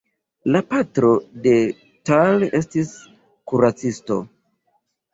La patro de Tal estis kuracisto.